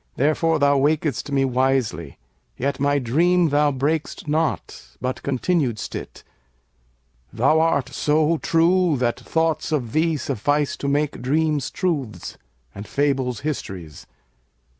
Therefore thou waked'st me wisely; yetMy dream thou brak'st not, but continued'st it:Thou art so true that thoughts of thee sufficeTo make dreams truths and fables histories.